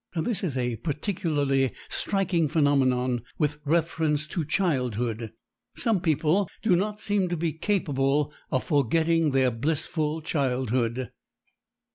This is a particularly striking phenomenon with reference to childhood. Some people do not seem to be capable of forgetting their blissful childhood.